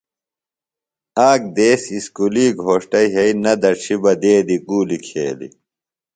آک دیس اُسکُلی گھوݜٹہ یھئی نہ دڇھیۡ بہ دیدیۡ گُولیۡ کھییلیۡ۔